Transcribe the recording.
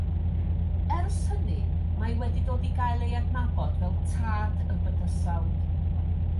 Ers hynny, mae wedi dod i gael ei adnabod fel Tad y Bydysawd.